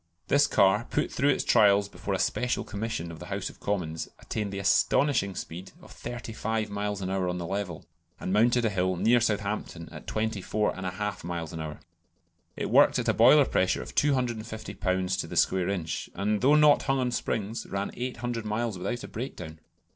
This car, put through its trials before a Special Commission of the House of Commons, attained the astonishing speed of 35 miles an hour on the level, and mounted a hill near Southampton at 24 1/2 miles an hour. It worked at a boiler pressure of 250 lbs. to the square inch, and though not hung on springs, ran 800 miles without a breakdown.